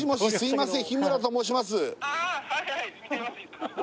☎すいません